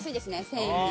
繊維に。